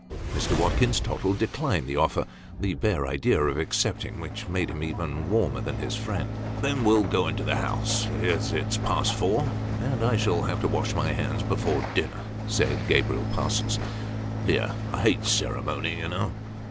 Mr. Watkins Tottle declined the offer ; the bare idea of accepting which made him even warmer than his friend. " Then we'll go into the house, as it's past four, and I shall have to wash my hands before dinner," said Mr. Gabriel Parsons. " Here, I hate ceremony, you know